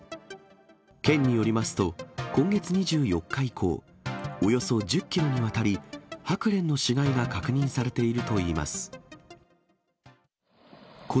県によりますと、今月２４日以降、およそ１０キロにわたり、ハクレンの死骸が確認されているといいます。